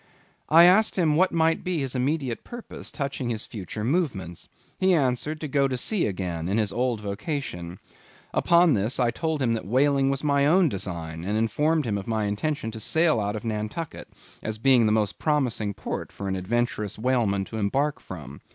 I asked him what might be his immediate purpose, touching his future movements. He answered, to go to sea again, in his old vocation. Upon this, I told him that whaling was my own design, and informed him of my intention to sail out of Nantucket, as being the most promising port for an adventurous whaleman to embark from.